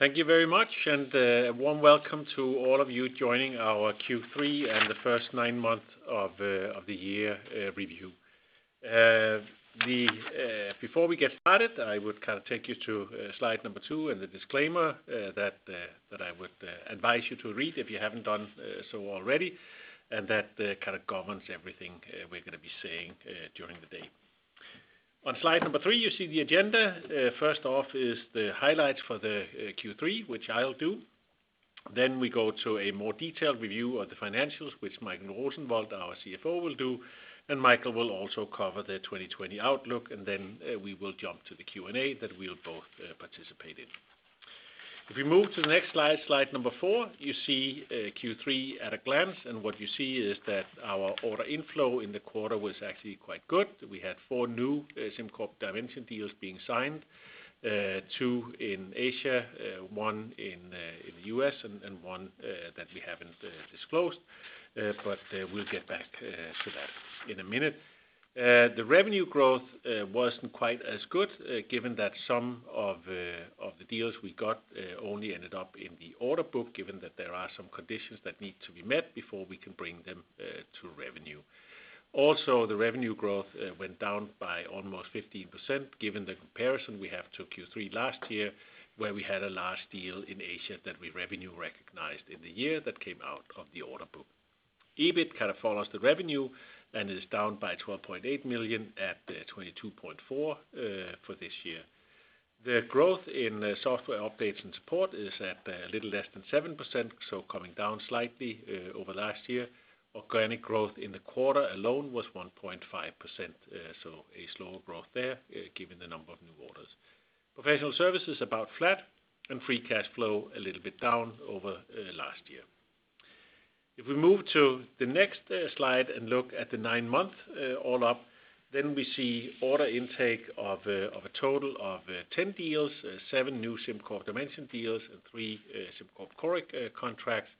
Thank you very much. A warm welcome to all of you joining our Q3 and the first nine months of the year review. Before we get started, I would take you to slide number two and the disclaimer that I would advise you to read if you haven't done so already, and that governs everything we're going to be saying during the day. On slide number three, you see the agenda. First off is the highlights for the Q3, which I'll do. We go to a more detailed review of the financials, which Michael Rosenvold, our CFO, will do, and Michael will also cover the 2020 outlook. We will jump to the Q&A that we'll both participate in. If we move to the next slide number four, you see Q3 at a glance. What you see is that our order inflow in the quarter was actually quite good. We had four new SimCorp Dimension deals being signed, two in Asia, one in the U.S., and one that we haven't disclosed. We'll get back to that in a minute. The revenue growth wasn't quite as good, given that some of the deals we got only ended up in the order book, given that there are some conditions that need to be met before we can bring them to revenue. The revenue growth went down by almost 15%, given the comparison we have to Q3 last year, where we had a large deal in Asia that we revenue recognized in the year that came out of the order book. EBIT kind of follows the revenue and is down by 12.8 million at 22.4 for this year. The growth in software updates and support is at a little less than 7%, so coming down slightly over last year. Organic growth in the quarter alone was 1.5%, so a slower growth there given the number of new orders. Professional services about flat, and free cash flow a little bit down over last year. If we move to the next slide and look at the nine-month all up, then we see order intake of a total of 10 deals, seven new SimCorp Dimension deals, and three SimCorp Coric contracts.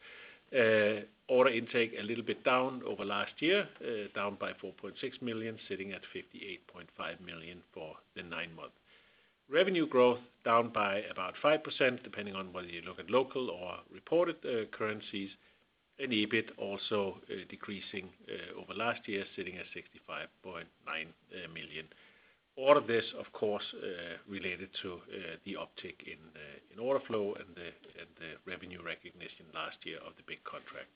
Order intake a little bit down over last year, down by 4.6 million, sitting at 58.5 million for the nine months. Revenue growth down by about 5%, depending on whether you look at local or reported currencies, and EBIT also decreasing over last year, sitting at 65.9 million. All of this, of course, related to the uptick in order flow and the revenue recognition last year of the big contract.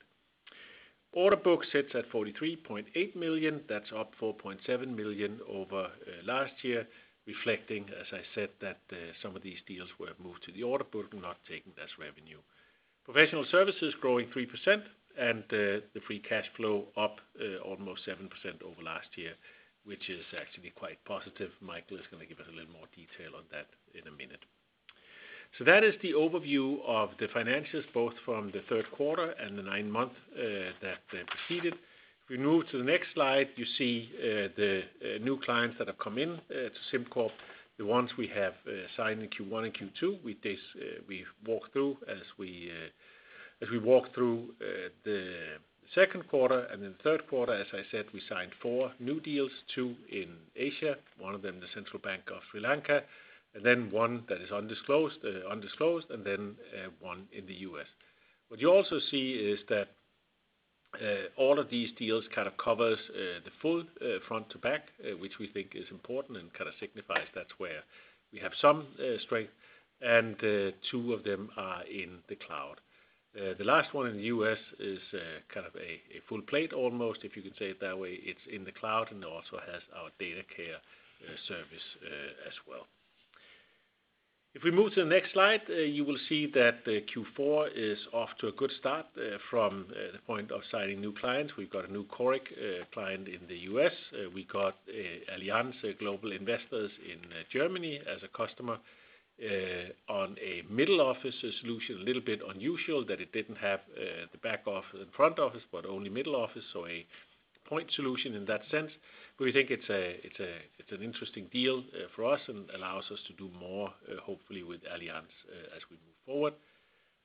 Order book sits at 43.8 million. That's up 4.7 million over last year, reflecting, as I said, that some of these deals were moved to the order book, not taken as revenue. Professional services growing 3%, and the free cash flow up almost 7% over last year, which is actually quite positive. Michael is going to give us a little more detail on that in a minute. That is the overview of the financials, both from the third quarter and the nine months that preceded. If we move to the next slide, you see the new clients that have come in to SimCorp, the ones we have signed in Q1 and Q2. We've walked through the second quarter, and in the third quarter, as I said, we signed four new deals, two in Asia, one of them the Central Bank of Sri Lanka, and then one that is undisclosed, and then one in the U.S. What you also see is that all of these deals kind of covers the full front to back, which we think is important and kind of signifies that's where we have some strength, and two of them are in the cloud. The last one in the U.S. is kind of a full plate almost, if you could say it that way. It's in the cloud and also has our SimCorp DataCare service as well. If we move to the next slide, you will see that Q4 is off to a good start from the point of signing new clients. We've got a new Coric client in the U.S. We got Allianz Global Investors in Germany as a customer on a middle office solution. A little bit unusual that it didn't have the back office and front office, but only middle office, so a point solution in that sense. We think it's an interesting deal for us and allows us to do more, hopefully with Allianz as we move forward.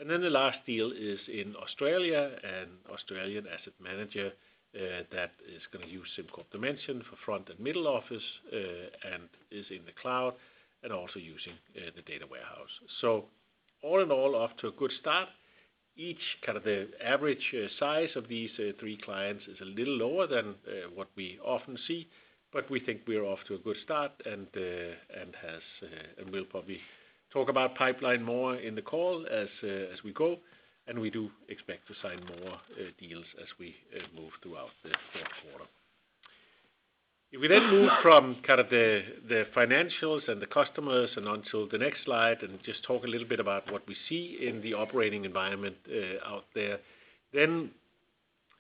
The last deal is in Australia, an Australian asset manager that is going to use SimCorp Dimension for front and middle office and is in the cloud and also using the data warehouse. All in all, off to a good start. Each kind of the average size of these three clients is a little lower than what we often see, but we think we're off to a good start and will probably talk about pipeline more in the call as we go. We do expect to sign more deals as we move throughout the fourth quarter. If we then move from kind of the financials and the customers and onto the next slide and just talk a little bit about what we see in the operating environment out there, then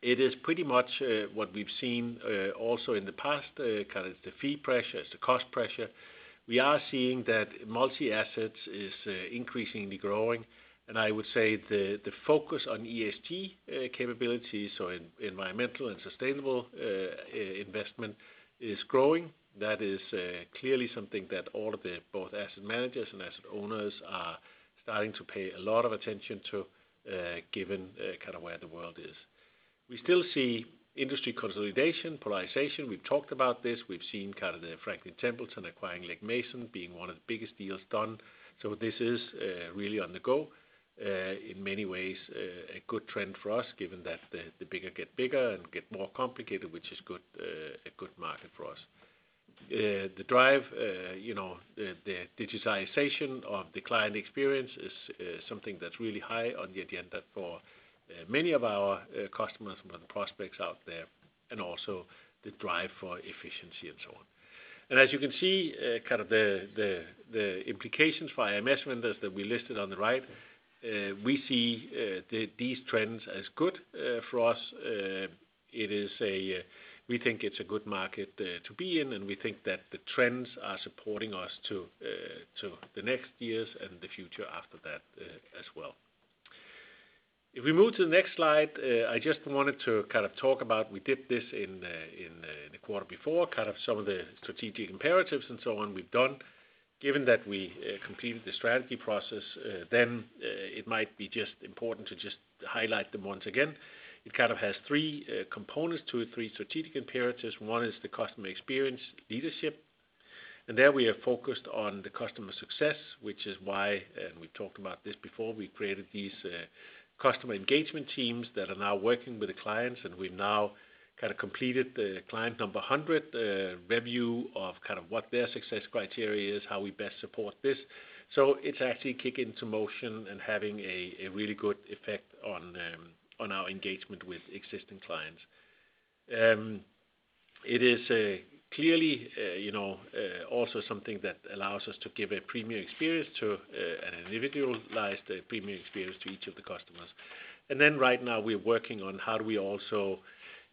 it is pretty much what we've seen also in the past, kind of the fee pressures, the cost pressure. We are seeing that multi-assets is increasingly growing, and I would say the focus on ESG capabilities or environmental and sustainable investment is growing. That is clearly something that all of the both asset managers and asset owners are starting to pay a lot of attention to, given kind of where the world is. We still see industry consolidation, polarization. We've talked about this. We've seen Franklin Templeton acquiring Legg Mason being one of the biggest deals done. This is really on the go. In many ways, a good trend for us, given that the bigger get bigger and get more complicated, which is a good market for us. The drive, the digitization of the client experience is something that's really high on the agenda for many of our customers and the prospects out there, and also the drive for efficiency and so on. As you can see, the implications for our IMS vendors that we listed on the right, we see these trends as good for us. We think it's a good market to be in, and we think that the trends are supporting us to the next years and the future after that as well. If we move to the next slide, I just wanted to talk about, we did this in the quarter before, some of the strategic imperatives and so on we've done. Given that we completed the strategy process then, it might be just important to just highlight them once again. It has three components to it, three strategic imperatives. One is the customer experience leadership. There we are focused on the customer success, which is why, and we've talked about this before, we created these customer engagement teams that are now working with the clients. We've now completed the client number 100 review of what their success criteria is, how we best support this. It's actually kicking into motion and having a really good effect on our engagement with existing clients. It is clearly also something that allows us to give an individualized premium experience to each of the customers. Right now we're working on how do we also,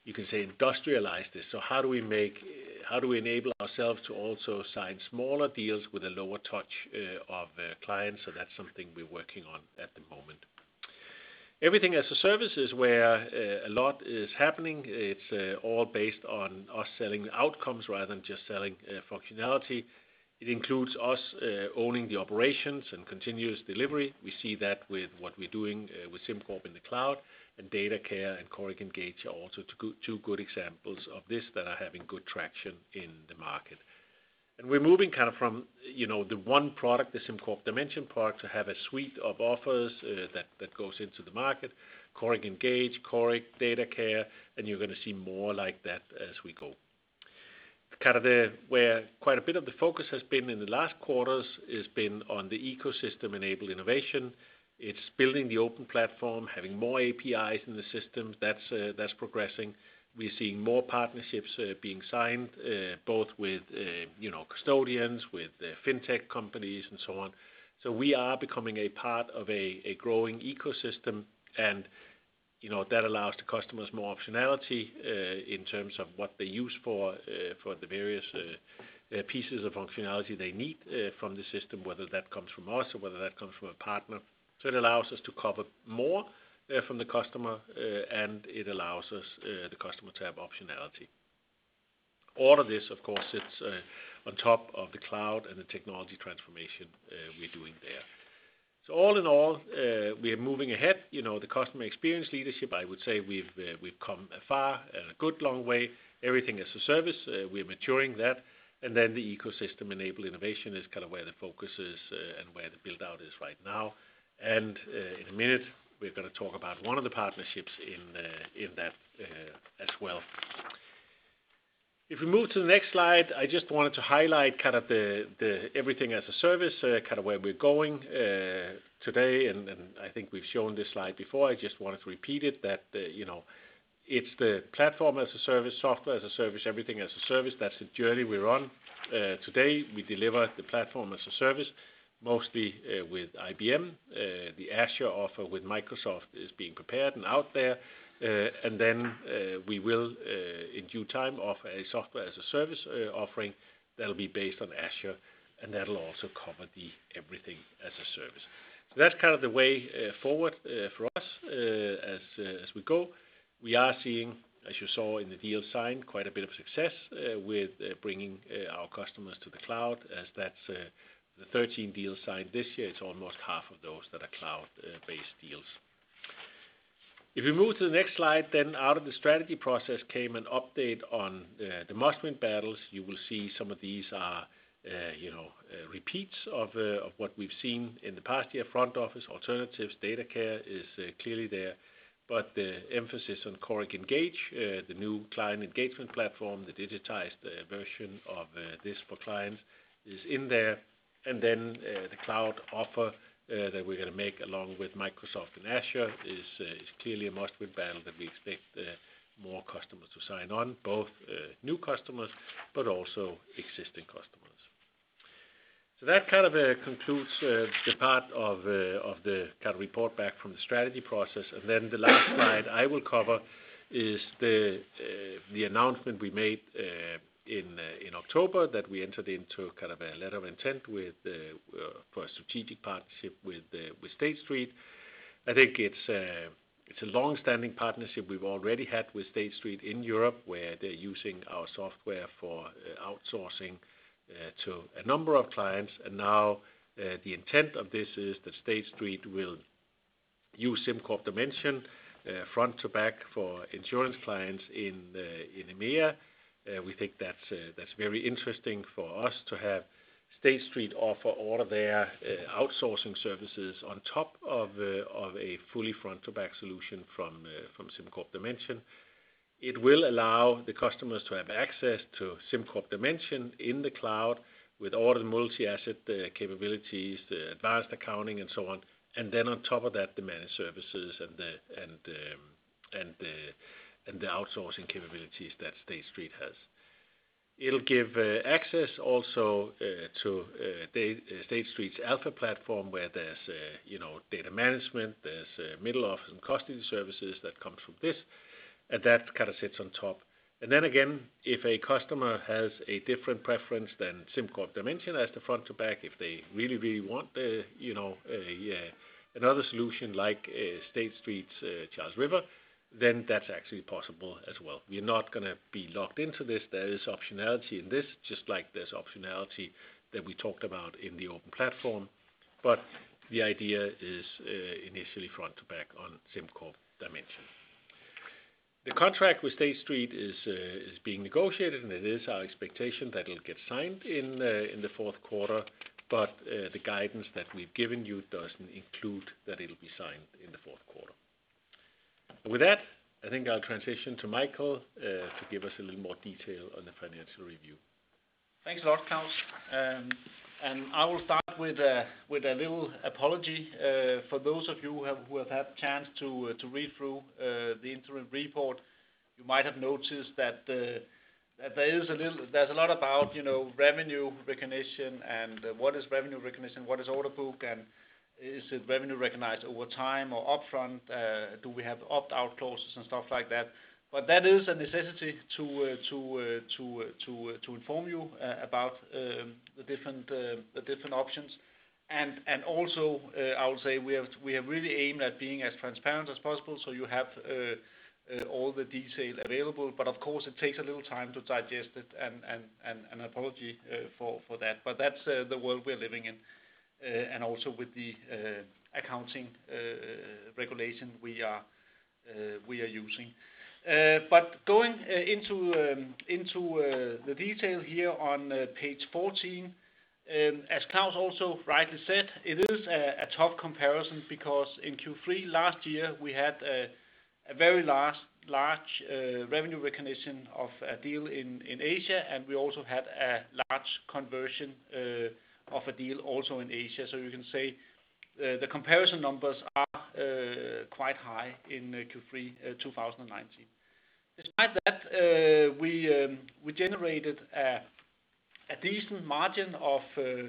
you can say, industrialize this. How do we enable ourselves to also sign smaller deals with a lower touch of clients? That's something we're working on at the moment. Everything-as-a-Service is where a lot is happening. It's all based on us selling outcomes rather than just selling functionality. It includes us owning the operations and continuous delivery. We see that with what we're doing with SimCorp in the cloud, and SimCorp DataCare and Coric Engage are also two good examples of this that are having good traction in the market. We're moving from the one product, the SimCorp Dimension product, to have a suite of offers that goes into the market, Coric Engage, SimCorp DataCare, and you're going to see more like that as we go. Where quite a bit of the focus has been in the last quarters has been on the ecosystem-enabled innovation. It's building the open platform, having more APIs in the systems. That's progressing. We're seeing more partnerships being signed, both with custodians, with Fintech companies and so on. We are becoming a part of a growing ecosystem, and that allows the customers more optionality in terms of what they use for the various pieces of functionality they need from the system, whether that comes from us or whether that comes from a partner. It allows us to cover more from the customer, and it allows the customer to have optionality. All of this, of course, sits on top of the cloud and the technology transformation we're doing there. All in all, we are moving ahead. The customer experience leadership, I would say we've come a good long way. Everything-as-a-Service, we're maturing that. Then the ecosystem-enabled innovation is where the focus is and where the build-out is right now. In a minute, we're going to talk about one of the partnerships in that as well. If we move to the next slide, I just wanted to highlight the Everything-as-a-Service, where we're going today. I think we've shown this slide before. I just wanted to repeat it that it's the platform as a service, Software-as-a-Service, Everything-as-a-Service. That's the journey we're on. Today, we deliver the platform as a service, mostly with IBM. The Microsoft Azure offer with Microsoft is being prepared and out there. We will, in due time, offer a Software-as-a-Service offering that'll be based on Azure, and that'll also cover the Everything-as-a-Service. That's the way forward for us as we go. We are seeing, as you saw in the deals signed, quite a bit of success with bringing our customers to the cloud, as that's the 13 deals signed this year. It's almost half of those that are cloud-based deals. If we move to the next slide, then out of the strategy process came an update on the must-win battles. You will see some of these are repeats of what we've seen in the past year, front office, alternatives, SimCorp DataCare is clearly there. The emphasis on Coric Engage, the new client engagement platform, the digitized version of this for clients is in there. The cloud offer that we're going to make along with Microsoft Azure is clearly a must-win battle that we expect more customers to sign on, both new customers but also existing customers. That concludes the part of the report back from the strategy process. The last slide I will cover is the announcement we made in October that we entered into a letter of intent for a strategic partnership with State Street. I think it's a long-standing partnership we've already had with State Street in Europe, where they're using our software for outsourcing to a number of clients. The intent of this is that State Street will use SimCorp Dimension front to back for insurance clients in EMEA. We think that's very interesting for us to have State Street offer all of their outsourcing services on top of a fully front-to-back solution from SimCorp Dimension. It will allow the customers to have access to SimCorp Dimension in the cloud with all the multi-asset capabilities, the advanced accounting and so on. On top of that, the managed services and the outsourcing capabilities that State Street has. It will give access also to State Street Alpha platform, where there is data management, there is middle office and custody services that comes from this, and that kind of sits on top. If a customer has a different preference than SimCorp Dimension as the front to back, if they really want another solution like State Street’s Charles River, that is actually possible as well. We are not going to be locked into this. There is optionality in this, just like there's optionality that we talked about in the open platform. The idea is initially front to back on SimCorp Dimension. The contract with State Street is being negotiated, and it is our expectation that it'll get signed in the fourth quarter. The guidance that we've given you doesn't include that it'll be signed in the fourth quarter. With that, I think I'll transition to Michael to give us a little more detail on the financial review. Thanks a lot, Klaus. I will start with a little apology. For those of you who have had chance to read through the interim report, you might have noticed that there's a lot about revenue recognition and what is revenue recognition, what is order book, and is it revenue recognized over time or upfront? Do we have opt-out clauses and stuff like that? That is a necessity to inform you about the different options. Also I would say we have really aimed at being as transparent as possible so you have all the detail available, but of course, it takes a little time to digest it and apology for that. That's the world we're living in and also with the accounting regulation we are using. Going into the detail here on page 14, as Klaus also rightly said, it is a tough comparison because in Q3 last year, we had a very large revenue recognition of a deal in Asia, and we also had a large conversion of a deal also in Asia. You can say the comparison numbers are quite high in Q3 2019. Despite that, we generated a decent margin of 22%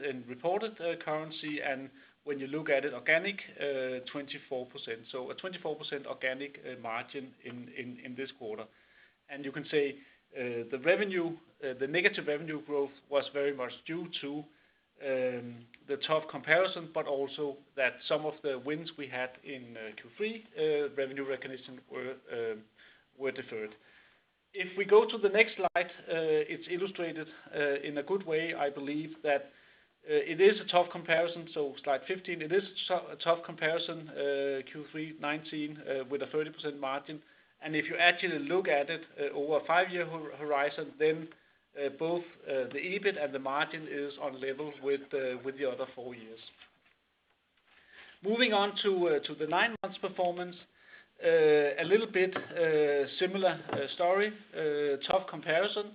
in reported currency, and when you look at it organic, 24%. A 24% organic margin in this quarter. You can say the negative revenue growth was very much due to the tough comparison, but also that some of the wins we had in Q3 revenue recognition were deferred. If we go to the next slide, it's illustrated in a good way, I believe, that it is a tough comparison. Slide 15, it is a tough comparison, Q3 2019 with a 30% margin. If you actually look at it over a five-year horizon, then both the EBIT and the margin is on level with the other four years. Moving on to the nine months performance. A little bit similar story, tough comparison.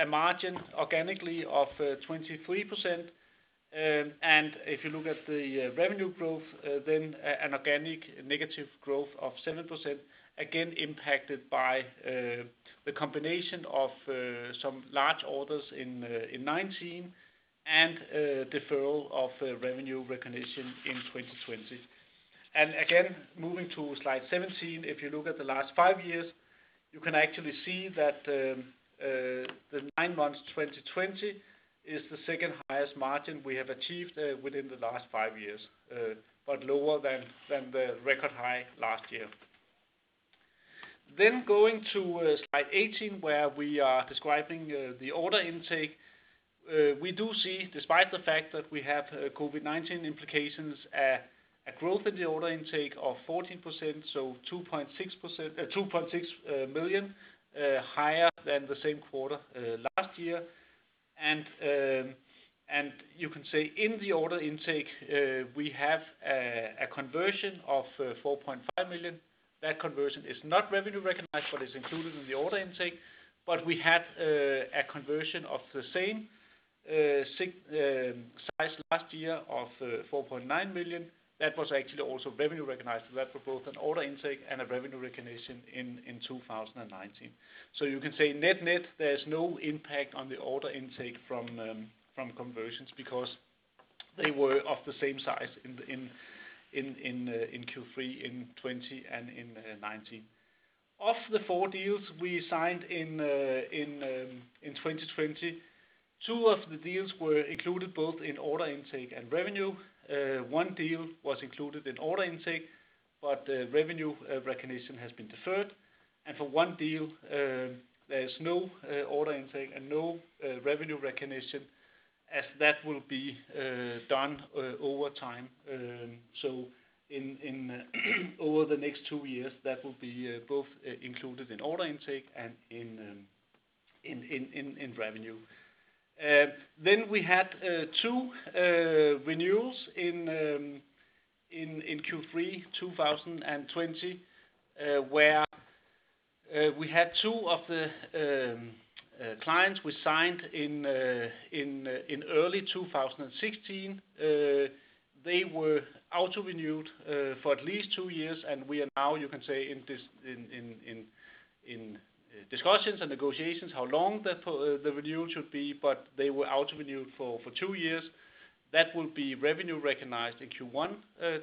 A margin organically of 23%. If you look at the revenue growth, then an organic negative growth of 7%, again impacted by the combination of some large orders in 2019 and deferral of revenue recognition in 2020. Again, moving to slide 17, if you look at the last five years, you can actually see that the nine months 2020 is the second highest margin we have achieved within the last five years. Lower than the record high last year. Going to slide 18, where we are describing the order intake. We do see, despite the fact that we have COVID-19 implications, a growth in the order intake of 14%, so 2.6 million higher than the same quarter last year. You can say in the order intake, we have a conversion of 4.5 million. That conversion is not revenue recognized but is included in the order intake. We had a conversion of the same size last year of 4.9 million. That was actually also revenue recognized. That for both an order intake and a revenue recognition in 2019. You can say net-net, there's no impact on the order intake from conversions because they were of the same size in Q3 in 2020 and in 2019. Of the four deals we signed in 2020, two of the deals were included both in order intake and revenue. One deal was included in order intake. The revenue recognition has been deferred, and for one deal, there is no order intake and no revenue recognition, as that will be done over time. Over the next two years, that will be both included in order intake and in revenue. We had two renewals in Q3 2020, where we had two of the clients we signed in early 2016. They were auto-renewed for at least two years, and we are now, you can say, in discussions and negotiations, how long the renewal should be, but they were auto-renewed for two years. That will be revenue recognized in Q1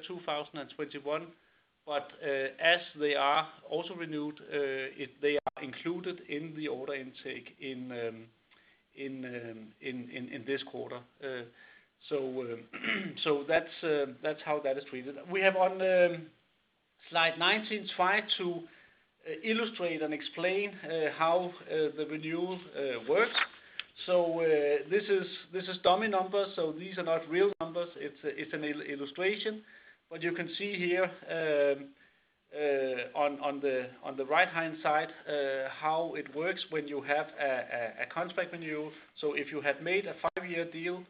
2021. As they are auto-renewed, they are included in the order intake in this quarter. That's how that is treated. We have on slide 19 tried to illustrate and explain how the renewals work. This is dummy numbers, these are not real numbers. It's an illustration. You can see here, on the right-hand side, how it works when you have a contract renewal. If you had made a five-year deal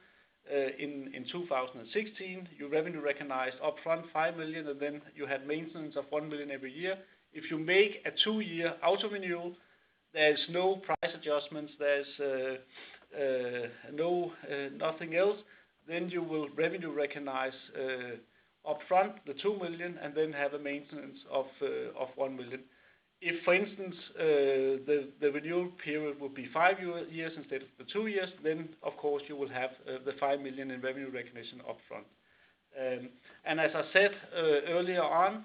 in 2016, you revenue recognized upfront 5 million, and then you had maintenance of 1 million every year. If you make a two-year auto-renewal, there's no price adjustments, there's nothing else, then you will revenue recognize upfront the 2 million and then have a maintenance of 1 million. If, for instance, the renewal period will be five years instead of the two years, of course, you will have the 5 million in revenue recognition upfront. As I said earlier on,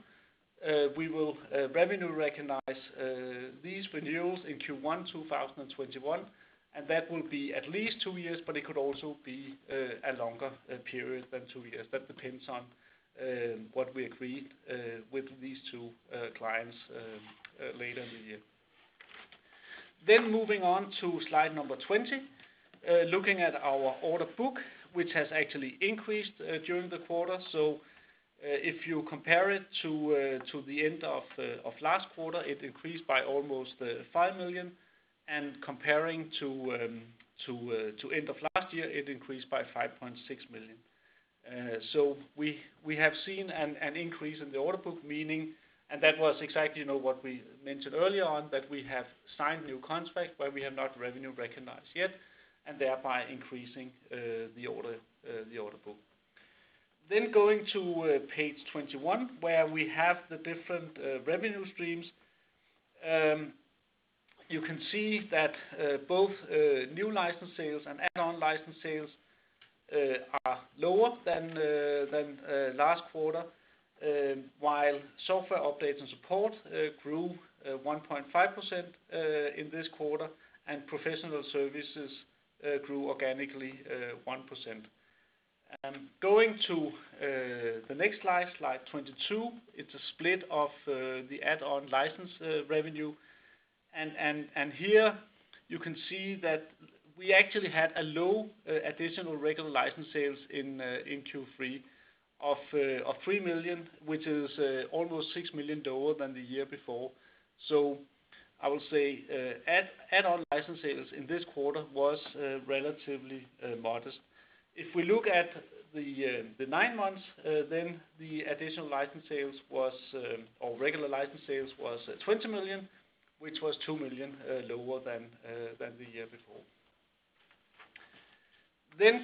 we will revenue recognize these renewals in Q1 2021, and that will be at least two years, but it could also be a longer period than two years. That depends on what we agree with these two clients later in the year. Moving on to slide number 20. Looking at our order book, which has actually increased during the quarter. If you compare it to the end of last quarter, it increased by almost 5 million, and comparing to end of last year, it increased by 5.6 million. We have seen an increase in the order book, meaning that was exactly what we mentioned earlier on, that we have signed new contracts where we have not revenue recognized yet, and thereby increasing the order book. Going to page 21, where we have the different revenue streams. You can see that both new license sales and add-on license sales are lower than last quarter, while software updates and support grew 1.5% in this quarter, and professional services grew organically 1%. Going to the next slide 22, it's a split of the add-on license revenue. Here you can see that we actually had a low additional regular license sales in Q3 of 3 million, which is almost 6 million lower than the year before. I would say add-on license sales in this quarter was relatively modest. If we look at the nine months, then the additional license sales was, or regular license sales was 20 million, which was 2 million lower than the year before.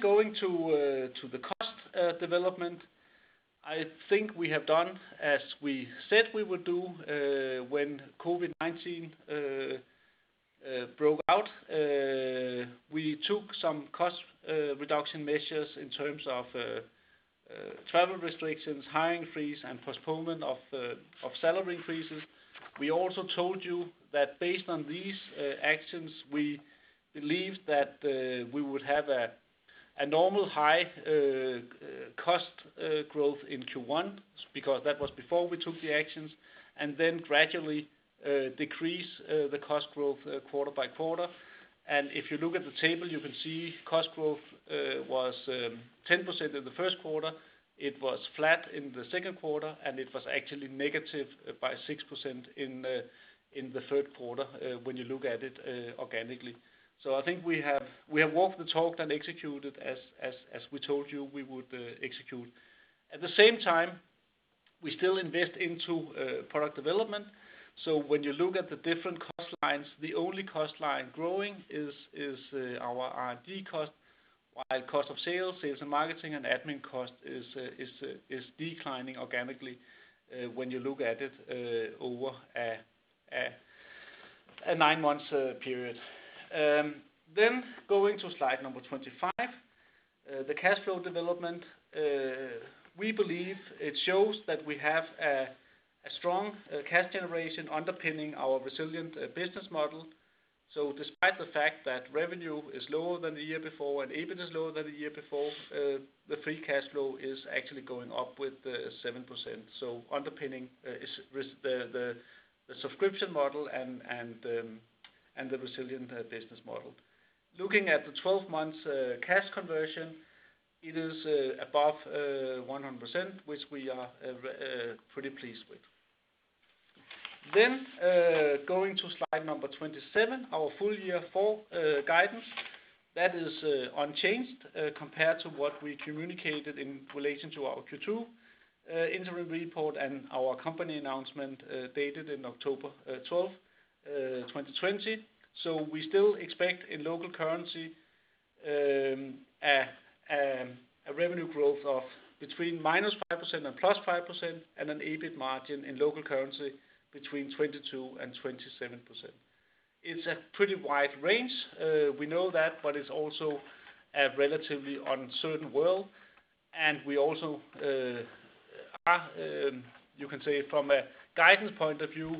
Going to the cost development. I think we have done as we said we would do when COVID-19 broke out. We took some cost reduction measures in terms of travel restrictions, hiring freeze, and postponement of salary increases. We also told you that based on these actions, we believed that we would have a normal high cost growth in Q1, because that was before we took the actions, then gradually decrease the cost growth quarter by quarter. If you look at the table, you can see cost growth was 10% in the first quarter. It was flat in the second quarter, and it was actually negative by 6% in the third quarter when you look at it organically. I think we have walked the talk and executed as we told you we would execute. At the same time, we still invest into product development. When you look at the different cost lines, the only cost line growing is our R&D cost. While cost of sales and marketing, and admin cost is declining organically when you look at it over a nine-month period. Going to slide number 25, the cash flow development. We believe it shows that we have a strong cash generation underpinning our resilient business model. Despite the fact that revenue is lower than the year before and EBIT is lower than the year before, the free cash flow is actually going up with 7%. Underpinning is the subscription model and the resilient business model. Looking at the 12 months cash conversion, it is above 100%, which we are pretty pleased with. Going to slide number 27, our full year for guidance. That is unchanged compared to what we communicated in relation to our Q2 interim report and our company announcement dated in October 12th, 2020. We still expect in local currency, a revenue growth of between -5% and +5%, and an EBIT margin in local currency between 22% and 27%. It's a pretty wide range. We know that, but it's also a relatively uncertain world, and we also are, you can say from a guidance point of view,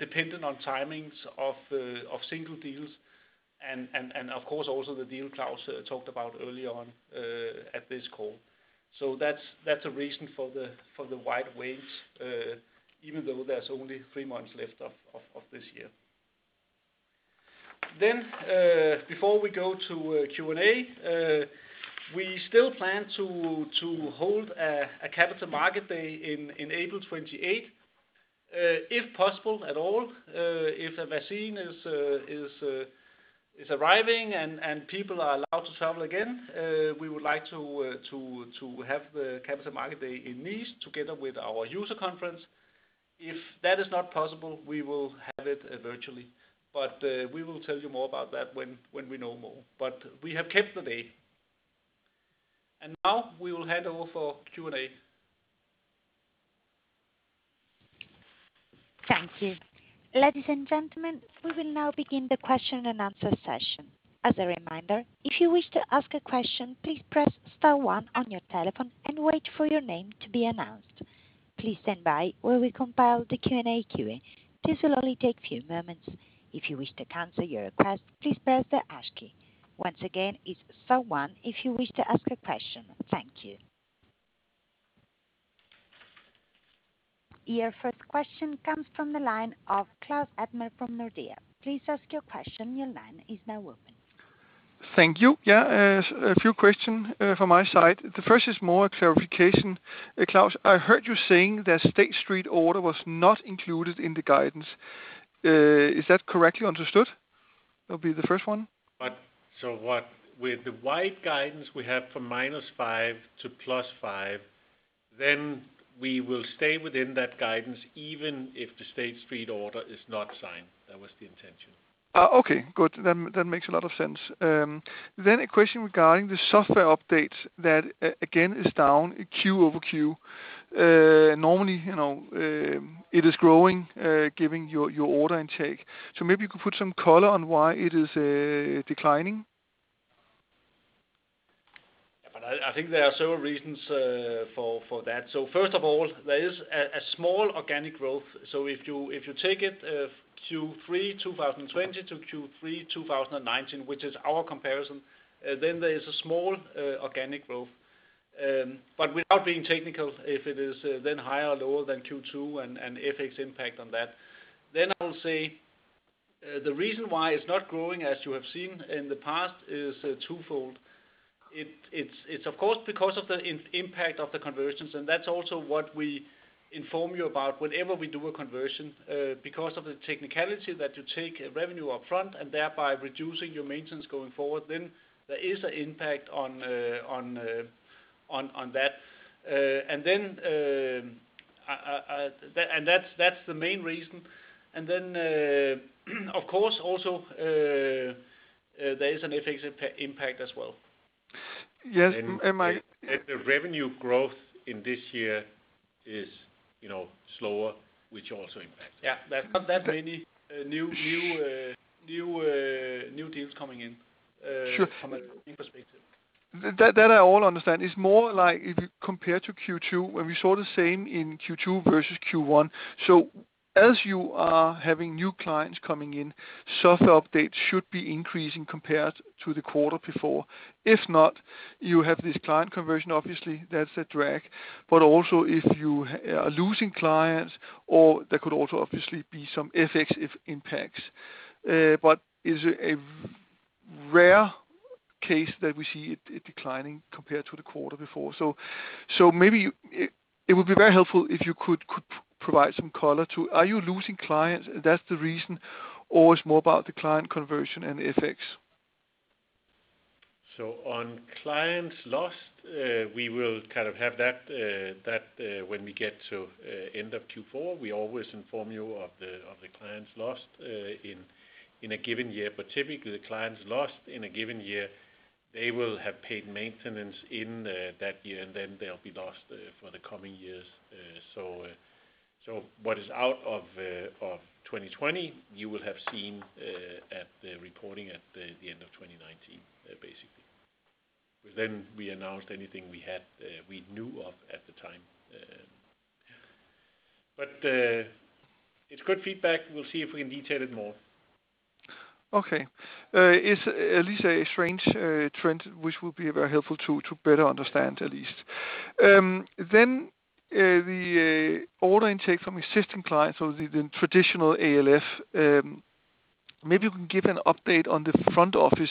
dependent on timings of single deals and of course also the deal Klaus talked about early on at this call. That's a reason for the wide range, even though there's only three months left of this year. Before we go to Q&A, we still plan to hold a Capital Market Day in April 28th. If possible at all, if a vaccine is arriving and people are allowed to travel again, we would like to have the Capital Market Day in Nice together with our user conference. If that is not possible, we will have it virtually. We will tell you more about that when we know more. We have kept the day. Now we will hand over for Q&A. Thank you. Ladies and gentlemen, we will now begin the question-and-answer session. As a reminder, if you wish to ask a question, please press star one on your telephone and wait for your name to be announced. If you wish to cancel your request, please press the hash key. Once again, it's star one if you wish to ask a question. Thank you. Your first question comes from the line of Claus Almer from Nordea. Please ask your question. Your line is now open. Thank you. Yeah, a few question from my side. The first is more a clarification. Klaus, I heard you saying that State Street order was not included in the guidance. Is that correctly understood? That would be the first one. With the wide guidance we have from -5% to +5%, then we will stay within that guidance even if the State Street order is not signed. That was the intention. Okay, good. That makes a lot of sense. A question regarding the software updates that, again, is down quarter-over-quarter. Normally, it is growing, given your order intake. Maybe you could put some color on why it is declining. I think there are several reasons for that. First of all, there is a small organic growth. If you take it Q3 2020 to Q3 2019, which is our comparison, then there is a small organic growth. Without being technical, if it is then higher or lower than Q2 and FX impact on that. I will say, the reason why it's not growing, as you have seen in the past, is twofold. It's of course because of the impact of the conversions, and that's also what we inform you about whenever we do a conversion. Because of the technicality that you take revenue up front and thereby reducing your maintenance going forward, then there is an impact on that. That's the main reason. Then, of course, also, there is an FX impact as well. Yes. The revenue growth in this year is slower, which also impacts. Yeah. There's not that many new deals coming in. Sure from a new perspective. That I all understand. It's more like if you compare to Q2, when we saw the same in Q2 versus Q1. As you are having new clients coming in, software updates should be increasing compared to the quarter before. If not, you have this client conversion, obviously, that's a drag. Also if you are losing clients or there could also obviously be some FX impacts. Is it a rare case that we see it declining compared to the quarter before? Maybe it would be very helpful if you could provide some color to, are you losing clients, that's the reason, or it's more about the client conversion and FX? On clients lost, we will kind of have that when we get to end of Q4. We always inform you of the clients lost in a given year. Typically, the clients lost in a given year, they will have paid maintenance in that year, and then they'll be lost for the coming years. What is out of 2020, you will have seen at the reporting at the end of 2019, basically. Then we announced anything we knew of at the time. It's good feedback. We'll see if we can detail it more. Okay. It's at least a strange trend, which will be very helpful to better understand, at least. The order intake from existing clients or the traditional ALF. Maybe you can give an update on the front office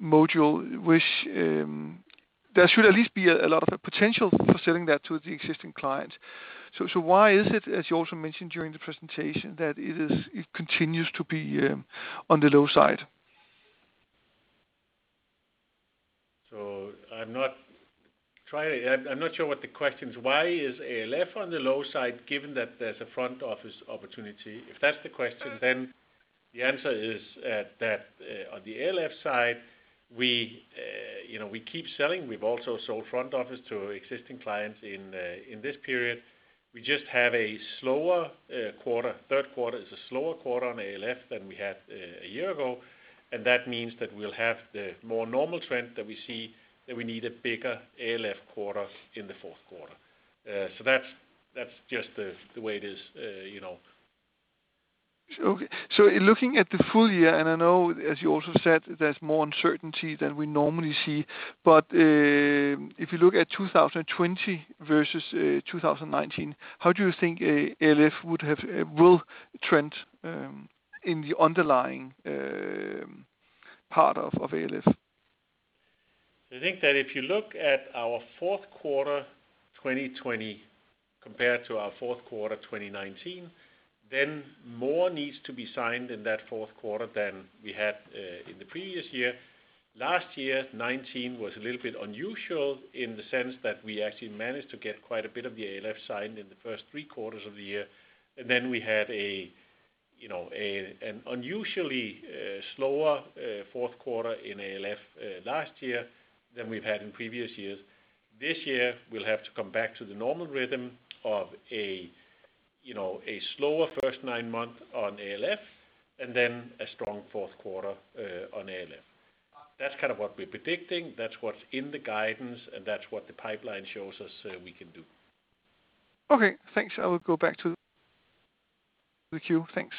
module, which there should at least be a lot of potential for selling that to the existing clients. Why is it, as you also mentioned during the presentation, that it continues to be on the low side? I'm not sure what the question is. Why is ALF on the low side, given that there's a front-office opportunity? If that's the question, the answer is that on the ALF side, we keep selling. We've also sold front office to existing clients in this period. We just have a slower quarter. Third quarter is a slower quarter on ALF than we had a year ago. That means that we'll have the more normal trend that we see that we need a bigger ALF quarter in the fourth quarter. That's just the way it is. Okay. In looking at the full year, I know as you also said, there's more uncertainty than we normally see. If you look at 2020 versus 2019, how do you think ALF will trend in the underlying part of ALF? I think that if you look at our fourth quarter 2020 compared to our fourth quarter 2019, more needs to be signed in that fourth quarter than we had in the previous year. Last year, 2019, was a little bit unusual in the sense that we actually managed to get quite a bit of the ALF signed in the first three quarters of the year, and then we had an unusually slower fourth quarter in ALF last year than we've had in previous years. This year, we'll have to come back to the normal rhythm of a slower first nine months on ALF and then a strong fourth quarter on ALF. That's kind of what we're predicting. That's what's in the guidance, and that's what the pipeline shows us we can do. Okay, thanks. I will go back to the queue. Thanks.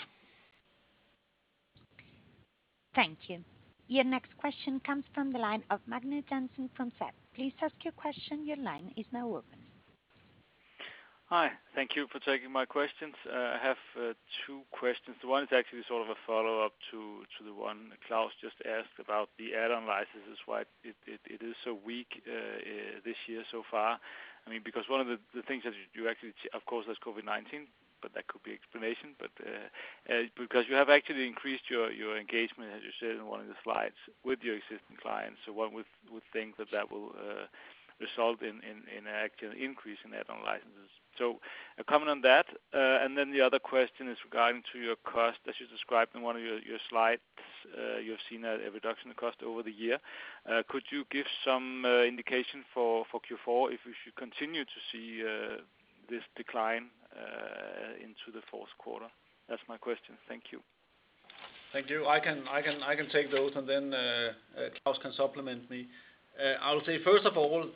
Thank you. Your next question comes from the line of Magnus Jensen from SEB. Please ask your question. Your line is now open. Hi. Thank you for taking my questions. I have two questions. One is actually sort of a follow-up to the one Klaus just asked about the add-on licenses, why it is so weak this year so far. One of the things that you actually, of course, there's COVID-19, but that could be explanation. You have actually increased your engagement, as you said in one of the slides, with your existing clients. One would think that that will result in an actual increase in add-on licenses. A comment on that. The other question is regarding to your cost, as you described in one of your slides, you've seen a reduction in cost over the year. Could you give some indication for Q4 if we should continue to see this decline into the fourth quarter? That's my question. Thank you. Thank you. I can take those and then Klaus can supplement me. I'll say, first of all,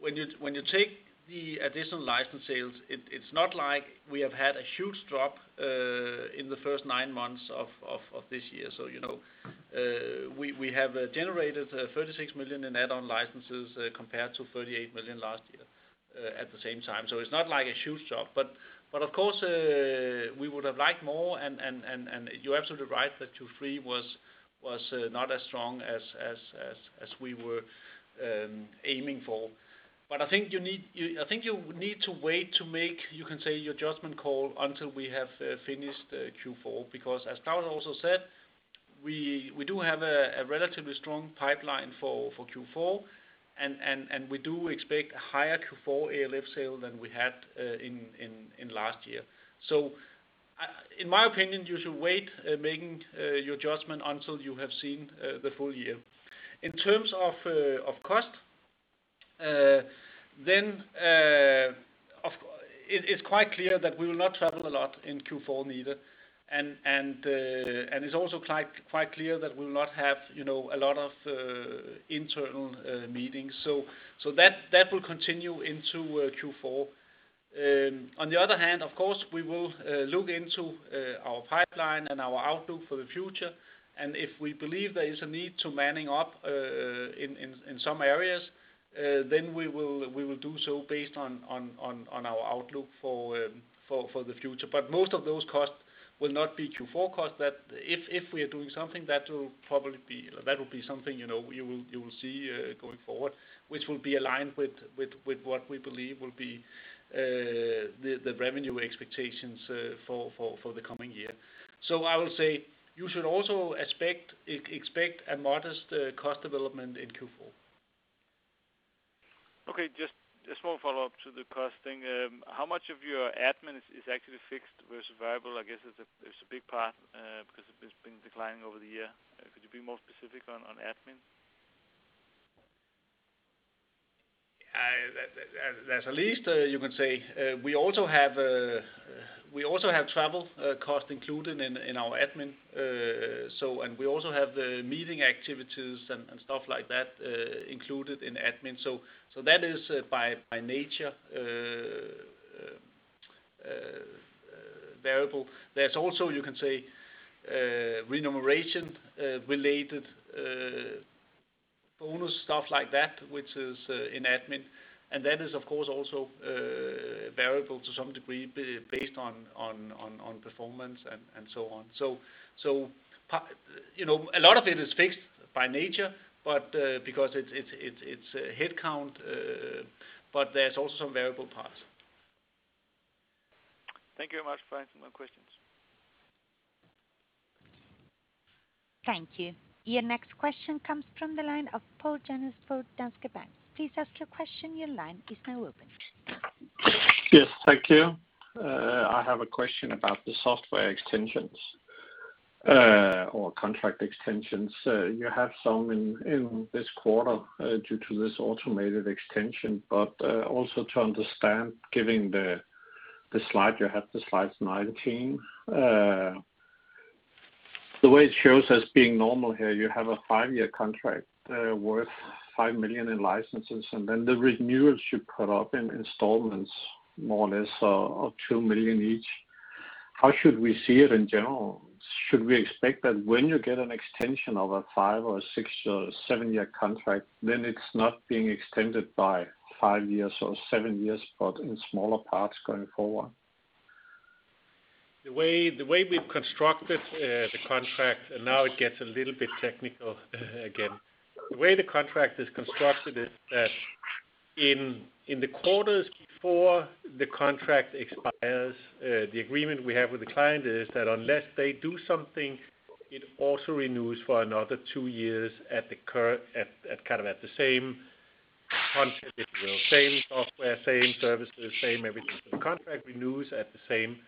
when you take the additional license sales, it's not like we have had a huge drop in the first nine months of this year. We have generated 36 million in add-on licenses compared to 38 million last year at the same time. It's not like a huge drop, of course, we would have liked more, you're absolutely right that Q3 was not as strong as we were aiming for. I think you need to wait to make, you can say, your judgment call until we have finished Q4, because as Klaus also said, we do have a relatively strong pipeline for Q4, and we do expect a higher Q4 ALF sale than we had in last year. In my opinion, you should wait making your judgment until you have seen the full year. In terms of cost, it's quite clear that we will not travel a lot in Q4 neither. It's also quite clear that we'll not have a lot of internal meetings. That will continue into Q4. On the other hand, of course, we will look into our pipeline and our outlook for the future, and if we believe there is a need to manning up in some areas, then we will do so based on our outlook for the future. Most of those costs will not be Q4 costs. If we are doing something, that will be something you will see going forward, which will be aligned with what we believe will be the revenue expectations for the coming year. I will say you should also expect a modest cost development in Q4. Just a small follow-up to the cost thing. How much of your admin is actually fixed versus variable? I guess there's a big part because it's been declining over the year. Could you be more specific on admin? There's at least, you can say, we also have travel cost included in our admin. We also have the meeting activities and stuff like that included in admin. That is, by nature, variable. There's also, you can say, remuneration-related bonus stuff like that, which is in admin. That is, of course, also variable to some degree based on performance and so on. A lot of it is fixed by nature because it's headcount, but there's also variable parts. Thank you very much. That's my questions. Thank you. Your next question comes from the line of Poul Jessen from Danske Bank. Yes. Thank you. I have a question about the software extensions or contract extensions. You have some in this quarter due to this automated extension, also to understand, given the slide you have, the slide 19. The way it shows as being normal here, you have a five-year contract worth 5 million in licenses, then the renewal should cut up in installments, more or less, of 2 million each. How should we see it in general? Should we expect that when you get an extension of a five- or six- or seven-year contract, it's not being extended by five years or seven years, in smaller parts going forward? The way we've constructed the contract, and now it gets a little bit technical again. The way the contract is constructed is that in the quarters before the contract expires, the agreement we have with the client is that unless they do something, it auto-renews for another two years at the same contract, if you will. Same software, same services, same everything. The contract renews at the same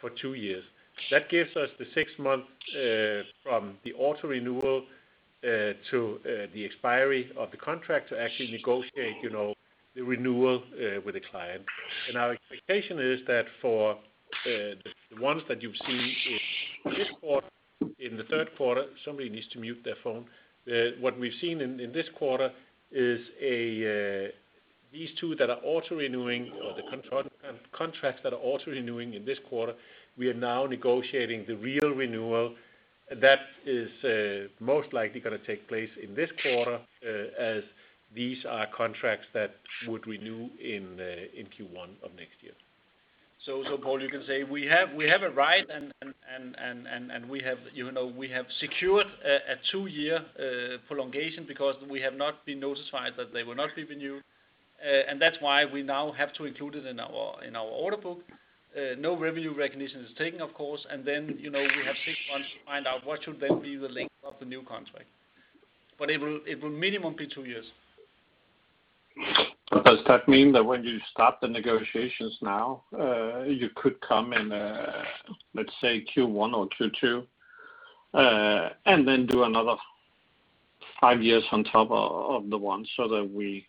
for two years. That gives us the six months from the auto-renewal to the expiry of the contract to actually negotiate the renewal with the client. Our expectation is that for the ones that you've seen in this quarter, in the third quarter. Somebody needs to mute their phone. What we've seen in this quarter is these two that are auto-renewing, or the contracts that are auto-renewing in this quarter, we are now negotiating the real renewal. That is most likely going to take place in this quarter, as these are contracts that would renew in Q1 of next year. Poul, you can say we have a right, and we have secured a two-year prolongation because we have not been notified that they will not be renewed. That's why we now have to include it in our order book. No revenue recognition is taken, of course. Then, we have six months to find out what should then be the length of the new contract. It will minimum be two years. Does that mean that when you start the negotiations now, you could come in, let's say Q1 or Q2, and then do another five years on top of the one? Correct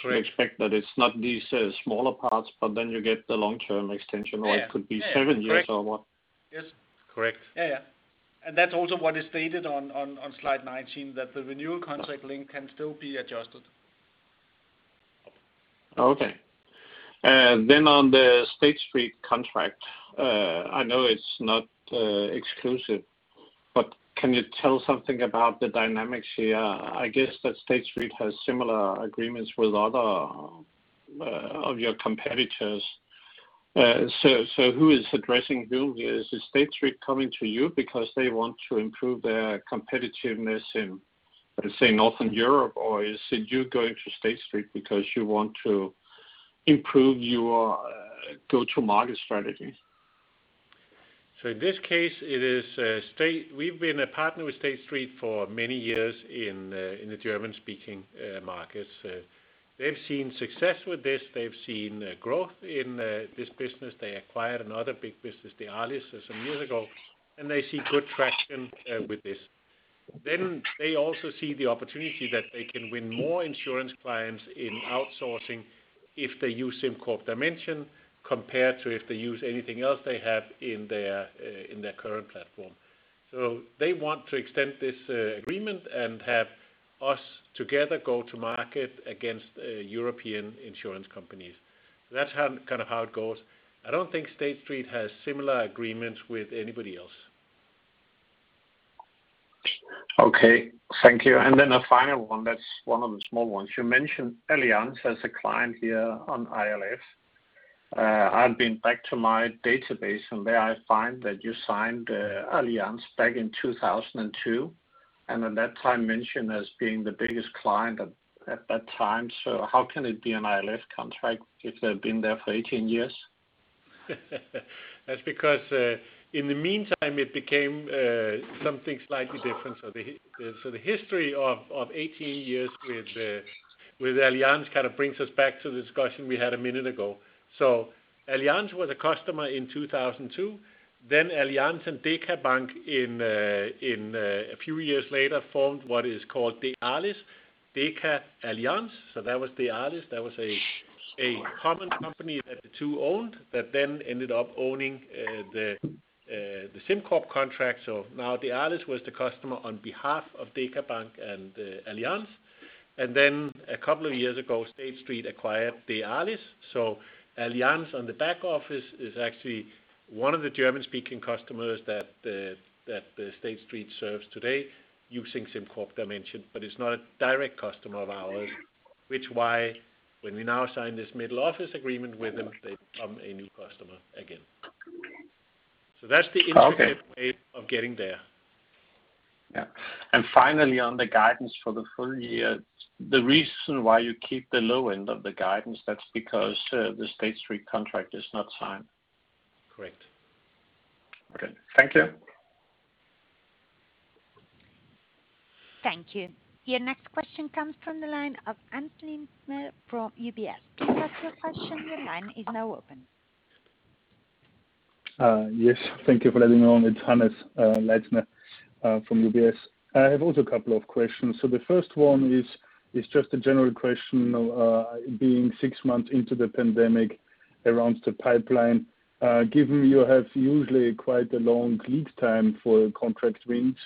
should expect that it's not these smaller parts, but then you get the long-term extension where it could be seven years or what? Yeah. Correct. Yes. Correct. Yeah. That's also what is stated on slide 19, that the renewal contract link can still be adjusted. Okay. On the State Street contract, I know it's not exclusive, but can you tell something about the dynamics here? I guess that State Street has similar agreements with a lot of your competitors. Who is addressing whom here? Is State Street coming to you because they want to improve their competitiveness in, let's say, Northern Europe? Is it you going to State Street because you want to improve your go-to-market strategy? In this case, we've been a partner with State Street for many years in the German-speaking markets. They've seen success with this. They've seen growth in this business. They acquired another big business, the Allianz, some years ago, and they see good traction with this. They also see the opportunity that they can win more insurance clients in outsourcing if they use SimCorp Dimension compared to if they use anything else they have in their current platform. They want to extend this agreement and have us together go to market against European insurance companies. That's kind of how it goes. I don't think State Street has similar agreements with anybody else. Okay. Thank you. A final one that's one of the small ones. You mentioned Allianz as a client here on ILS. I've been back to my database, and there I find that you signed Allianz back in 2002, and at that time mentioned as being the biggest client at that time. How can it be an ILS contract if they've been there for 18 years? That's because in the meantime, it became something slightly different. The history of 18 years with Allianz, kind of brings us back to the discussion we had a minute ago. Allianz was a customer in 2002, then Allianz and DekaBank a few years later formed what is called DEALIS, Deka Allianz. That was DEALIS. That was a common company that the two owned that then ended up owning the SimCorp contract. Now DEALIS was the customer on behalf of DekaBank and Allianz. Then a couple of years ago, State Street acquired DEALIS. Allianz on the back office is actually one of the German-speaking customers that State Street serves today using SimCorp Dimension, but it's not a direct customer of ours. Which is why when we now sign this middle office agreement with them, they become a new customer again. Okay intricate way of getting there. Yeah. Finally, on the guidance for the full year, the reason why you keep the low end of the guidance, that's because the State Street contract is not signed? Correct. Okay. Thank you. Thank you. Your next question comes from the line of Hannes Leitner from UBS. To ask your question, your line is now open. Yes, thank you for letting me on. It's Hannes Leitner from UBS. I have also a couple of questions. The first one is just a general question of being six months into the pandemic around the pipeline. Given you have usually quite a long lead time for contract wins,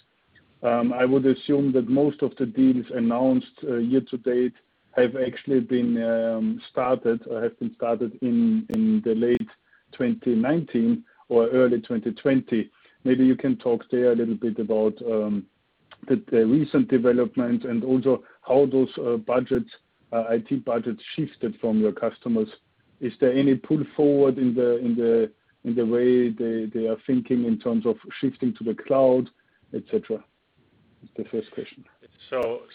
I would assume that most of the deals announced year to date have actually been started in the late 2019 or early 2020. Maybe you can talk there a little bit about the recent development and also how those IT budgets shifted from your customers. Is there any pull forward in the way they are thinking in terms of shifting to the cloud, et cetera? That's the first question.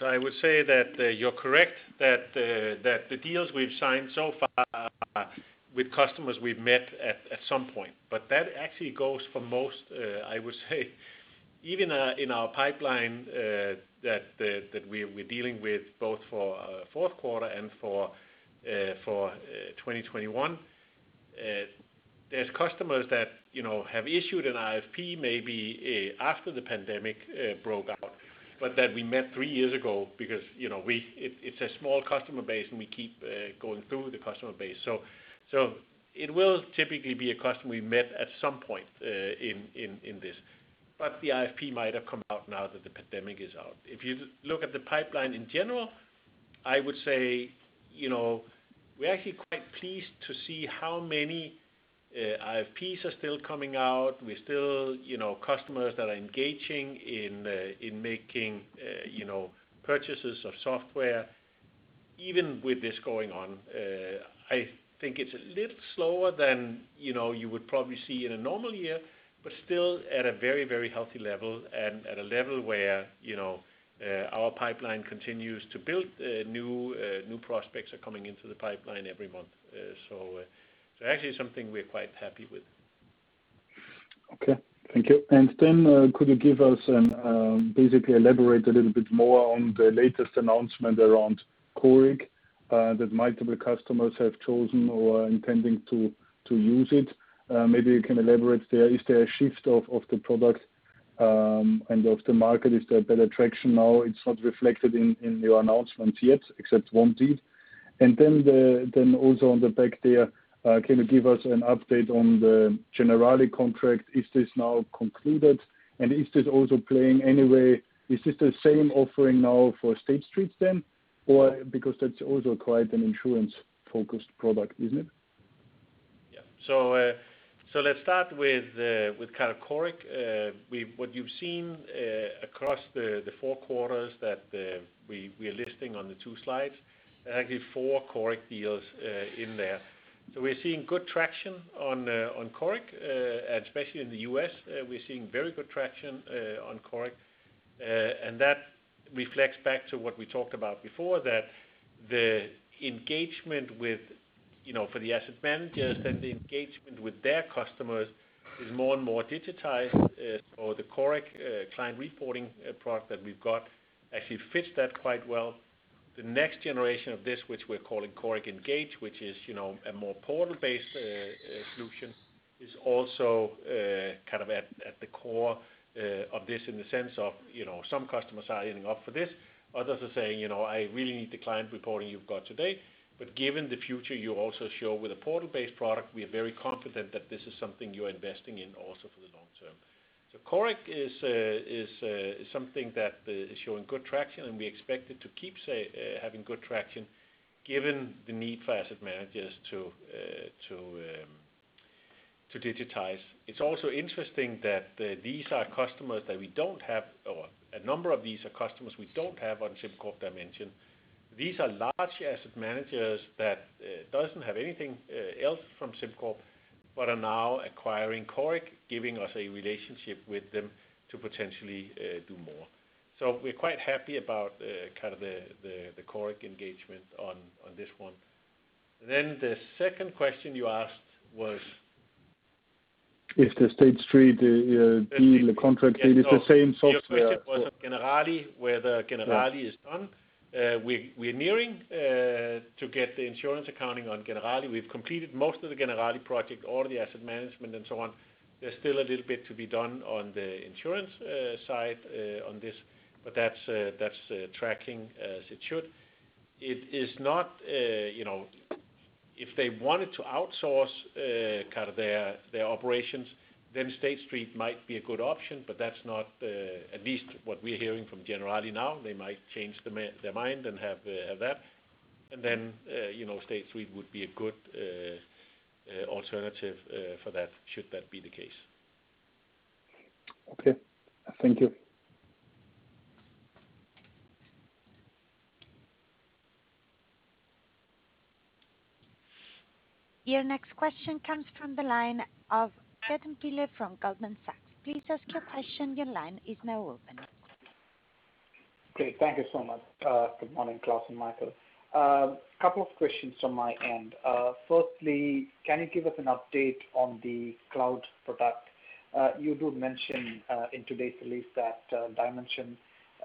I would say that you're correct that the deals we've signed so far are with customers we've met at some point. That actually goes for most, I would say, even in our pipeline that we're dealing with both for fourth quarter and for 2021. There's customers that have issued an RFP maybe after the pandemic broke out, but that we met three years ago because it's a small customer base, and we keep going through the customer base. It will typically be a customer we've met at some point in this, but the RFP might have come out now that the pandemic is out. If you look at the pipeline in general, I would say, we're actually quite pleased to see how many RFPs are still coming out. We still, customers that are engaging in making purchases of software even with this going on. I think it's a little slower than you would probably see in a normal year, but still at a very, very healthy level and at a level where our pipeline continues to build. New prospects are coming into the pipeline every month. Actually something we're quite happy with. Okay. Thank you. Could you give us a little bit more on the latest announcement around Coric that multiple customers have chosen or are intending to use it? Maybe you can elaborate there. Is there a shift of the product and of the market? Is there a better traction now? It's not reflected in your announcement yet except one deal. Also on the back there, can you give us an update on the Generali contract? Is this now concluded? Is this also playing? Is this the same offering now for State Street then? Because that's also quite an insurance-focused product, isn't it? Yeah. Let's start with Coric. What you've seen across the four quarters that we're listing on the two slides, there are actually four Coric deals in there. We're seeing good traction on Coric, especially in the U.S. We're seeing very good traction on Coric. That reflects back to what we talked about before, that the engagement for the asset managers, then the engagement with their customers is more and more digitized. The Coric client reporting product that we've got actually fits that quite well. The next generation of this, which we're calling Coric Engage, which is a more portal-based solution, is also at the core of this in the sense of some customers are signing up for this. Others are saying, "I really need the client reporting you've got today." Given the future you also show with a portal-based product, we are very confident that this is something you're investing in also for the long term. Coric is something that is showing good traction, and we expect it to keep having good traction given the need for asset managers to digitize. It's also interesting that these are customers that we don't have or a number of these are customers we don't have on SimCorp Dimension. These are large asset managers that doesn't have anything else from SimCorp but are now acquiring Coric, giving us a relationship with them to potentially do more. We're quite happy about the Coric engagement on this one. The second question you asked was If the State Street deal, the contract deal, it's the same software- Your question was on Generali, whether Generali is done. Yes. We're nearing to get the insurance accounting on Generali. We've completed most of the Generali project, all the asset management and so on. There's still a little bit to be done on the insurance side on this, but that's tracking as it should. If they wanted to outsource their operations, then State Street might be a good option, but that's not, at least what we're hearing from Generali now. They might change their mind and have that. Then State Street would be a good alternative for that, should that be the case. Okay. Thank you. Your next question comes from the line of Gautam Pillai from Goldman Sachs. Please ask your question. Your line is now open. Great. Thank you so much. Good morning, Claus and Michael. A couple of questions from my end. Firstly, can you give us an update on the cloud product? You do mention in today's release that SimCorp Dimension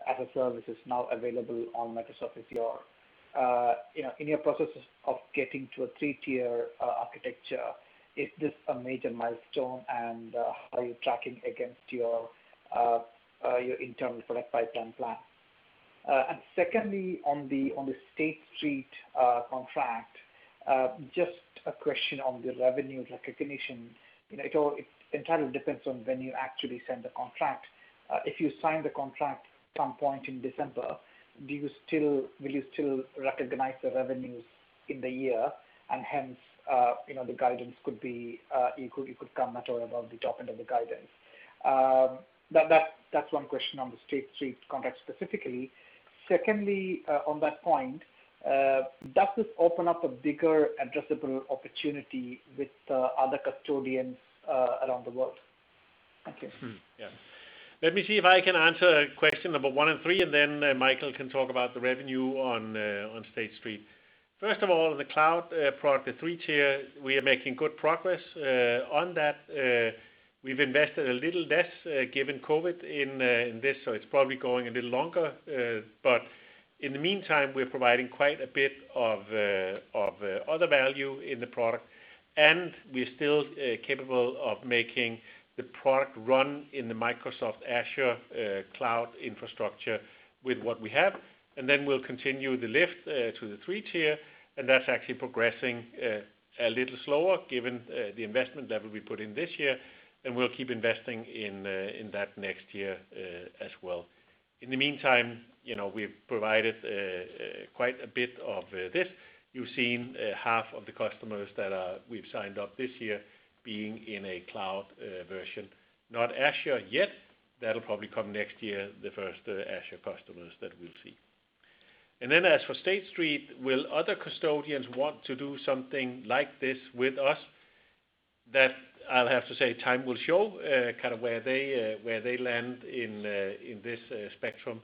as a Service is now available on Microsoft Azure. In your processes of getting to a three-tier architecture, is this a major milestone, and how are you tracking against your internal product pipeline plan? Secondly, on the State Street contract, just a question on the revenue recognition. It entirely depends on when you actually sign the contract. If you sign the contract at some point in December, will you still recognize the revenues in the year, and hence the guidance could come at or above the top end of the guidance? That's one question on the State Street contract specifically. Secondly, on that point, does this open up a bigger addressable opportunity with other custodians around the world? Thank you. Yeah. Let me see if I can answer question number one and three, Michael can talk about the revenue on State Street. First of all, on the cloud product, the three-tier, we are making good progress on that. We've invested a little less given COVID in this, it's probably going a little longer. In the meantime, we're providing quite a bit of other value in the product, we're still capable of making the product run in the Microsoft Azure cloud infrastructure with what we have. We'll continue the lift to the three-tier, that's actually progressing a little slower given the investment level we put in this year. We'll keep investing in that next year as well. In the meantime, we've provided quite a bit of this. You've seen half of the customers that we've signed up this year being in a cloud version. Not Azure yet. That'll probably come next year, the first Azure customers that we'll see. As for State Street, will other custodians want to do something like this with us? That I'll have to say time will show where they land in this spectrum.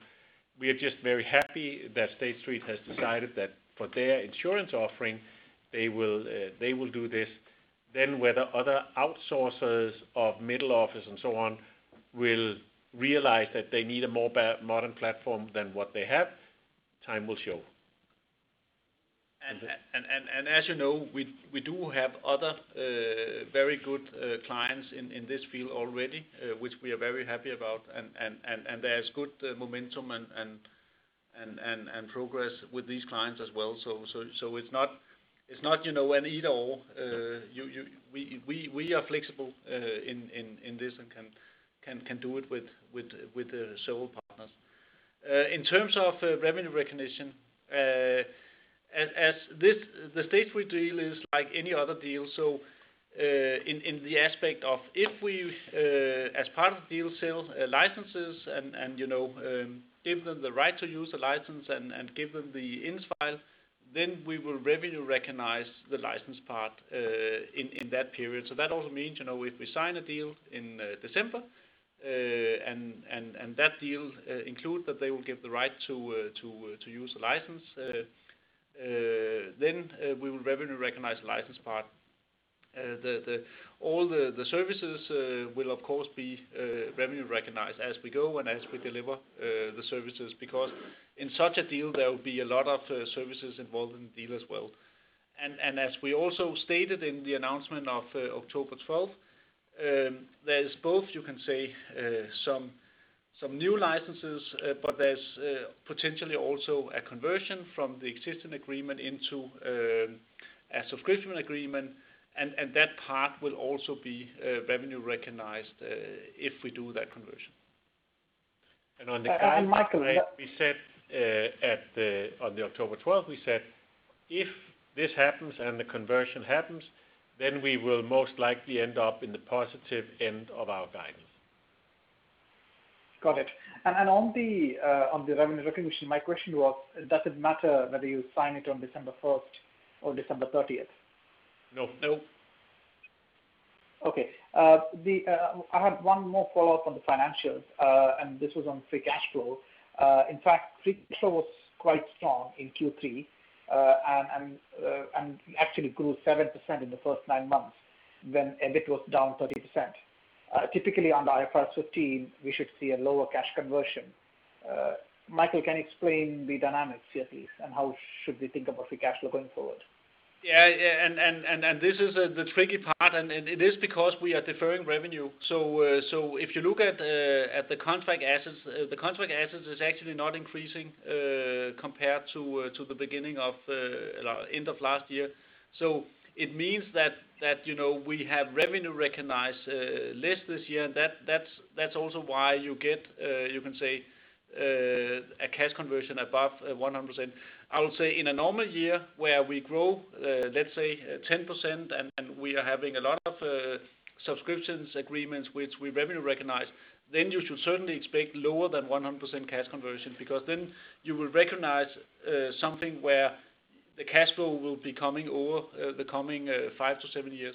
We are just very happy that State Street has decided that for their insurance offering, they will do this. Whether other outsourcers of middle office and so on will realize that they need a more modern platform than what they have, time will show. As you know, we do have other very good clients in this field already, which we are very happy about, and there's good momentum and progress with these clients as well. It's not an either/or. We are flexible in this and can do it with the sole partners. In terms of revenue recognition, the State Street deal is like any other deal. In the aspect of if we, as part of the deal, sell licenses and give them the right to use the license and give them the install file, then we will revenue recognize the license part in that period. That also means, if we sign a deal in December and that deal includes that they will get the right to use the license, then we will revenue recognize the license part. All the services will of course be revenue recognized as we go and as we deliver the services, because in such a deal, there will be a lot of services involved in the deal as well. As we also stated in the announcement of October 12th, there's both, you can say, some new licenses, but there's potentially also a conversion from the existing agreement into a subscription agreement, and that part will also be revenue recognized if we do that conversion. On the guidance side. Michael- We said on the October 12th, we said, if this happens and the conversion happens, then we will most likely end up in the positive end of our guidance. Got it. On the revenue recognition, my question was, does it matter whether you sign it on December 1st or December 30th? No. No. Okay. I have one more follow-up on the financials, and this was on free cash flow. In fact, free cash flow was quite strong in Q3 and actually grew 7% in the first nine months when EBIT was down 30%. Typically, under IFRS 15, we should see a lower cash conversion. Michael can explain the dynamics here at least, and how should we think about free cash flow going forward. Yeah. This is the tricky part, and it is because we are deferring revenue. If you look at the contract assets, the contract assets is actually not increasing compared to the end of last year. It means that we have revenue recognized less this year, and that's also why you get, you can say, a cash conversion above 100%. I would say in a normal year where we grow, let's say 10%, and we are having a lot of subscriptions agreements which we revenue recognize, then you should certainly expect lower than 100% cash conversion because then you will recognize something where the cash flow will be coming over the coming five to seven years.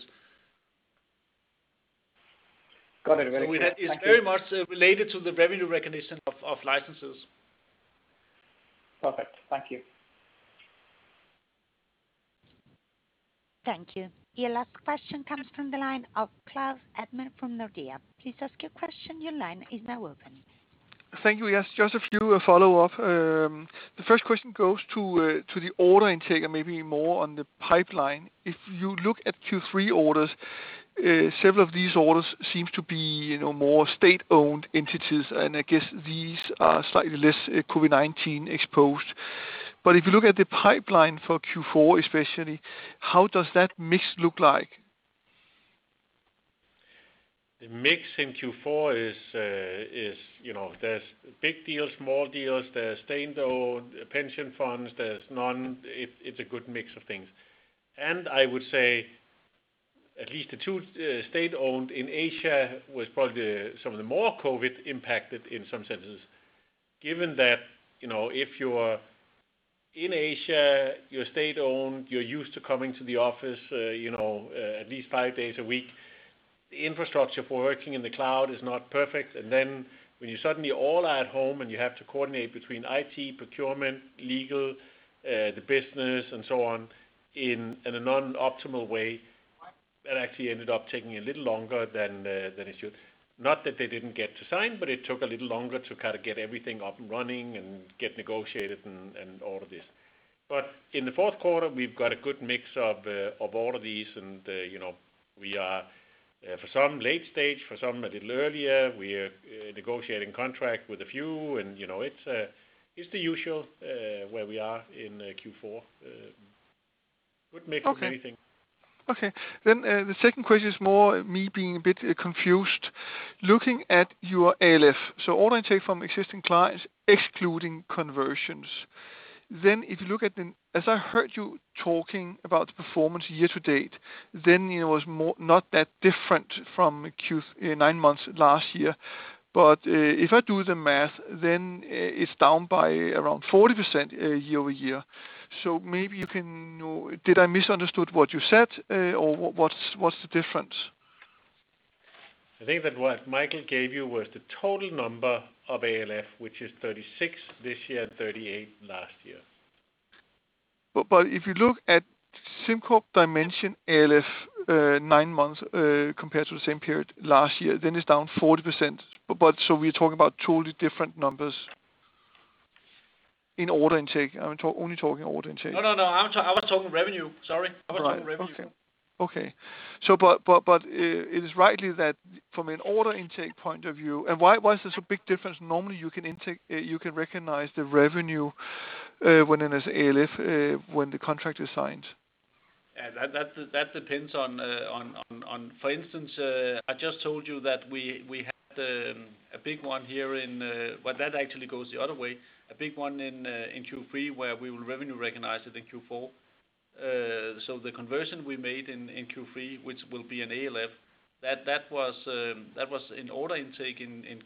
Got it. Very clear. Thank you. It's very much related to the revenue recognition of licenses. Perfect. Thank you. Thank you. Your last question comes from the line of Claus Almer from Nordea. Please ask your question. Your line is now open. Thank you. Yes, just a few follow-up. The first question goes to the order intake and maybe more on the pipeline. If you look at Q3 orders, several of these orders seems to be more state-owned entities, and I guess these are slightly less COVID-19 exposed. If you look at the pipeline for Q4 especially, how does that mix look like? The mix in Q4 is there's big deals, small deals, there's state-owned pension funds, there's none. It's a good mix of things. I would say at least the two state-owned in Asia was probably some of the more COVID-19 impacted in some senses, given that if you're in Asia, you're state-owned, you're used to coming to the office at least five days a week. The infrastructure for working in the cloud is not perfect. When you suddenly all are at home and you have to coordinate between IT, procurement, legal, the business and so on in a non-optimal way, that actually ended up taking a little longer than it should. Not that they didn't get to sign, it took a little longer to kind of get everything up and running and get negotiated and all of this. In the fourth quarter, we've got a good mix of all of these and we are, for some late stage, for some a little earlier. We're negotiating contract with a few, and it's the usual where we are in Q4. Good mix of anything. Okay. The second question is more me being a bit confused. Looking at your ALF. Order intake from existing clients, excluding conversions. If you look at them, as I heard you talking about the performance year to date, then it was not that different from nine months last year. If I do the math, then it's down by around 40% year-over-year. Maybe did I misunderstood what you said or what's the difference? I think that what Michael gave you was the total number of ALF, which is 36 this year and 38 last year. If you look at SimCorp Dimension ALF nine months compared to the same period last year, then it's down 40%. We're talking about totally different numbers in order intake. I'm only talking order intake. No, I was talking revenue. Sorry. I was talking revenue. Okay. It is rightly that from an order intake point of view, and why is this a big difference? Normally you can recognize the revenue when it is ALF, when the contract is signed. That actually goes the other way. A big one in Q3 where we will revenue recognize it in Q4. The conversion we made in Q3, which will be an ALF, that was in order intake in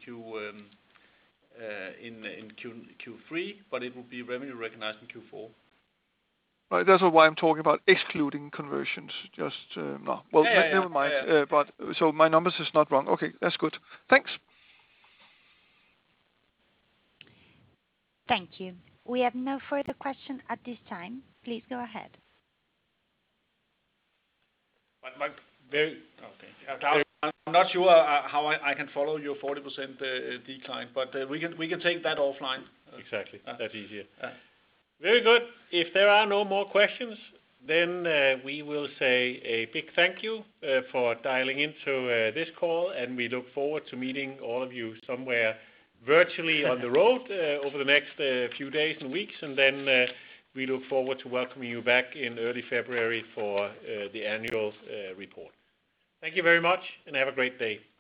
Q3, but it will be revenue recognized in Q4. Right. That's why I'm talking about excluding conversions. Yeah Well, never mind. My numbers is not wrong. Okay. That's good. Thanks. Thank you. We have no further question at this time. Please go ahead. Okay. Claus, I'm not sure how I can follow your 40% decline, but we can take that offline. Exactly. That's easier. Very good. If there are no more questions, then we will say a big thank you for dialing into this call, and we look forward to meeting all of you somewhere virtually on the road over the next few days and weeks. We look forward to welcoming you back in early February for the annual report. Thank you very much, and have a great day. Thank you